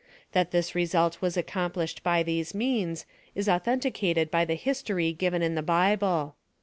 That this result was accomplished by these means, is au thenticated by the history given in the Bible.